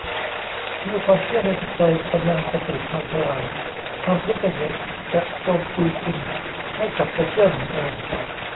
เมื่อความเชื่อในจิตใจกำลังจะถูกพังทะลาย ความคิดในหัวจะโจมตีคุณให้กลับไปเชื่อเหมือนเดิม